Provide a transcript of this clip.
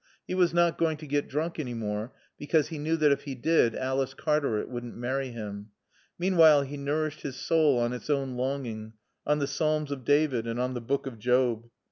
He was not going to get drunk any more, because he knew that if he did Alice Cartaret wouldn't marry him. Meanwhile he nourished his soul on its own longing, on the Psalms of David and on the Book of Job.